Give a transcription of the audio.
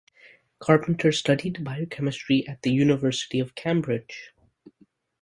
Carpenter studied biochemistry at the University of Cambridge.